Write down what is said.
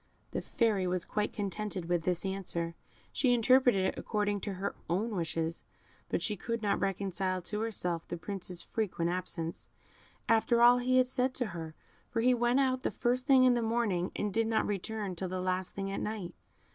The Fairy was quite contented with this answer; she interpreted it according to her own wishes, but she could not reconcile to herself the Prince's frequent absence, after all he had said to her; for he went out the first thing in the morning, and did not return till the last thing at night.